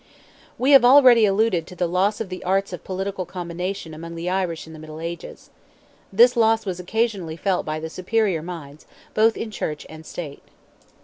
We have already alluded to the loss of the arts of political combination among the Irish in the Middle Ages. This loss was occasionally felt by the superior minds both in church and state.